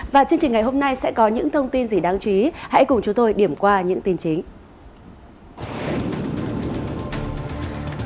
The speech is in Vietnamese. và chương trình ngày hôm nay sẽ có những thông tin gì đáng chú ý hãy cùng chúng tôi điểm qua những tin chính